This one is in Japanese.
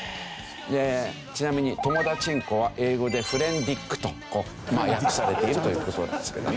ちなみに「ともだちんこ」は英語で「Ｆｒｉｅｎｄｉｃｋ」と訳されているという事なんですけどね。